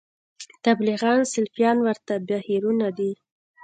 تبلیغیان سلفیان ورته بهیرونه دي